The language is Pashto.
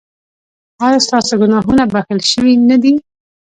ایا ستاسو ګناهونه بښل شوي نه دي؟